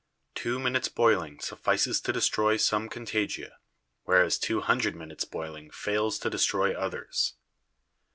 Two min utes' boiling suffices to destroy some contagia, whereas two hundred minutes' boiling fails to destroy others.